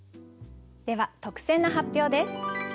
では特選の発表です。